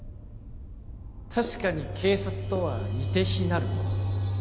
確かに警察とは似て非なるもの